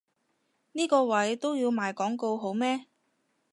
呢個位都要賣廣告好咩？